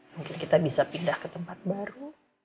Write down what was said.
mungkin kita bisa pindah ke tempat baru